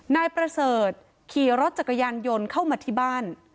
นายประเสริฐขี่รถจักรยานยนต์เข้ามาที่บ้าน